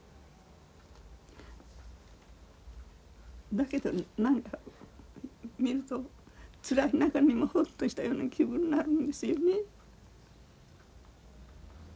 だけど何か見るとつらい中にもホッとしたような気分になるんですよね。